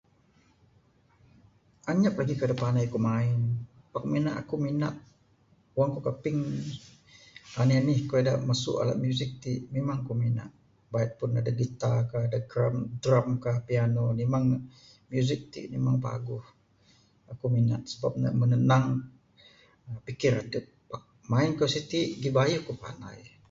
Anyap lagih kayuh da panai ku main pak mina aku mina Wang ku kaping anih anih da masu alat music ti memang ku minat bait ku adeh gitar ka drum ka piano ka memang music ti memang paguh aku minat sebab ne menenang pikir adep Pak main kayuh siti lagi bayuh ku panai.